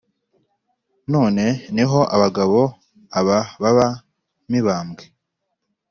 none ni ho abagabo aba ba mibambwe